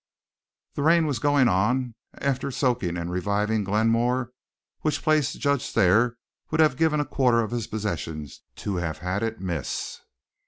The rain was going on, after soaking and reviving Glenmore, which place Judge Thayer would have given a quarter of his possessions to have had it miss.